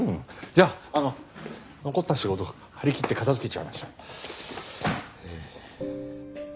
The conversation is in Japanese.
じゃああの残った仕事張り切って片付けちゃいましょう。